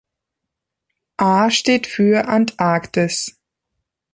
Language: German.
„A“ steht für Antarktis.